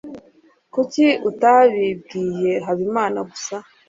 Kuki utabibwiye habimana gusa